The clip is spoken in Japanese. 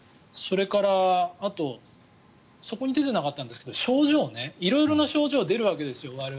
それからそこに出てなかったんですけど症状、色々な症状が出るわけですよ。